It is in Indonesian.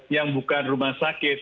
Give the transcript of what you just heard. yang bukan rumah sakit